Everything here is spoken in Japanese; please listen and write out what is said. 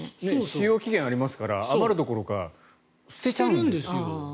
使用期限がありますから余るどころか捨てちゃうんです。